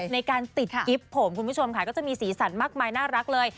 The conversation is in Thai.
ในการติดกิฟต์ผมคุณผู้ชมค่ะก็จะมีสีสันมากมายน่ารักเลย